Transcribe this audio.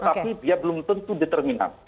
tetapi dia belum tentu determinan